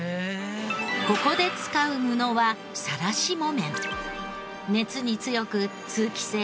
ここで使う布はさらし木綿。